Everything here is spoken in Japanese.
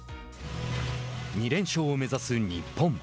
２連勝を目指す日本。